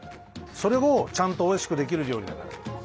それをちゃんとおいしくできる料理だから。